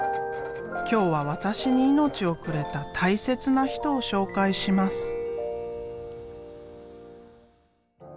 今日は私に命をくれた大切な人を紹介します。